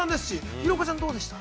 廣岡ちゃんどうでした？